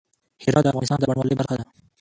هرات د افغانستان د بڼوالۍ برخه ده.